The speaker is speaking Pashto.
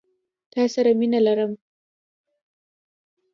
تا سره مينه لرم.